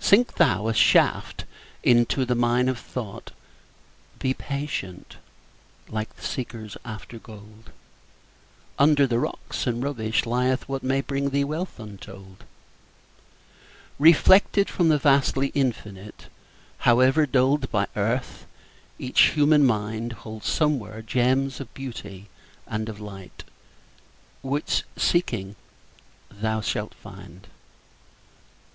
Sink thou a shaft into the mine of thought; Be patient, like the seekers after gold; Under the rocks and rubbish lieth what May bring thee wealth untold. Reflected from the vastly Infinite, However dulled by earth, each human mind Holds somewhere gems of beauty and of light Which, seeking, thou shalt find.